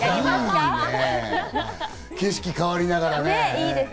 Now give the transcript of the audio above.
景色変わりながらね。